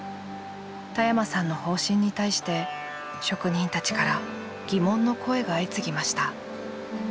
田山さんの方針に対して職人たちから疑問の声が相次ぎました。